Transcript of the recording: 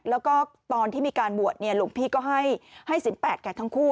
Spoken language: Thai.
แล้วก็ตอนที่มีการบวชหลวงพี่ก็ให้ศิลปแก่ทั้งคู่